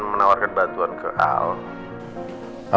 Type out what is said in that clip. menawarkan bantuan ke al